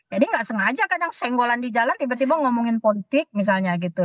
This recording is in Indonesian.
jadi nggak sengaja kadang kadang senggolan di jalan tiba tiba ngomongin politik misalnya gitu